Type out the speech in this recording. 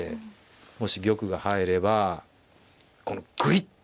もし玉が入ればこのグイッと。